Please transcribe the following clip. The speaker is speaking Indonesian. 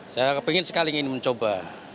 saya pengen sekali mencoba